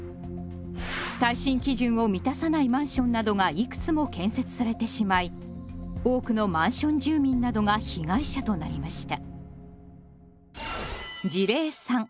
耐震基準を満たさないマンションなどがいくつも建設されてしまい多くのマンション住民などが被害者となりました。